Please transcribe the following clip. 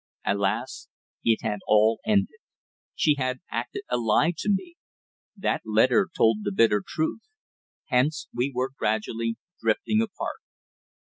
Alas! it had all ended. She had acted a lie to me. That letter told the bitter truth. Hence, we were gradually drifting apart.